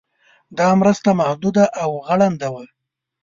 دا مرسته محدوده او غړنده وه.